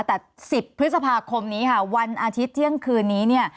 แต่๑๐พฤษภาคมนี้ค่ะวันอาทิตย์เที่ยงคืนนี้เนี่ย